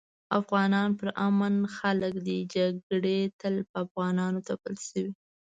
افغانان پر امن خلک دي جګړي تل په افغانانو تپل شوي